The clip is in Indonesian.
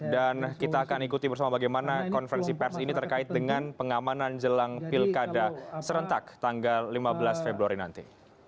dan kita akan ikuti bersama bagaimana konferensi pers ini terkait dengan pengamanan jelang pilkada serentak tanggal lima belas februari nanti